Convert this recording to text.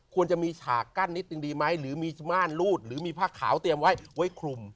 ควรจะมีฉากกั้นนิดนึงดีไหมหรือมีม่านรูดหรือมีผ้าขาวเตรียมไว้ไว้คลุม